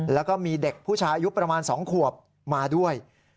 แล้วก็มีเด็กผู้ชายอายุประมาณ๒ขวบมาด้วย